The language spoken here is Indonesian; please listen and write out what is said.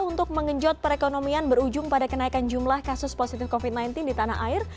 untuk mengenjot perekonomian berujung pada kenaikan jumlah kasus positif covid sembilan belas di tanah air